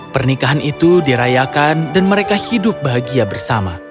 pernikahan itu dirayakan dan mereka hidup bahagia bersama